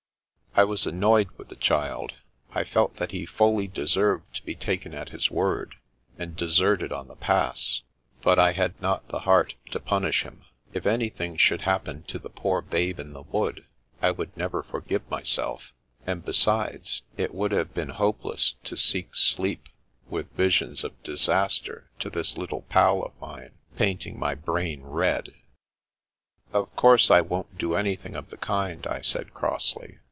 I was annoyed with the child. I felt that he fully deserved to be taken at his word, and deserted on the Pass, but I had not the heart to punish him. If anything should happen to the poor Babe in the Wood, I should never forgive myself ; and besides, it would have been hopeless to seek sleep, with visions of disaster to this strange Little Pal of mine painting my brain red. " Of course I won't do anything of the kind," I said crossly.